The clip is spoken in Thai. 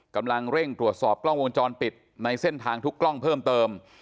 กำลังเร่งตรวจสอบกล้องวงจรปิดในเส้นทางทุกกล้องเพิ่มเติม